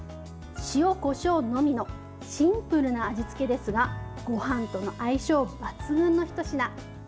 塩、こしょうのみのシンプルな味付けですがごはんとの相性抜群のひと品。